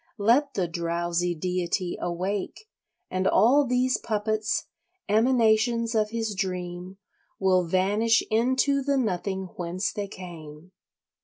Let the drowsy deity awake and all these puppets, emanations of his dream, will vanish into the nothing whence they came.